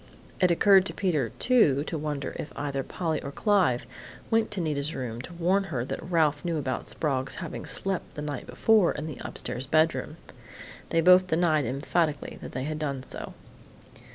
It occurred to Peter, too, to wonder if either Polly or Clive went to Nita's room to warn her that Ralph knew about Sprague's having slept the night before in the upstairs bedroom. They both denied emphatically that they had done so.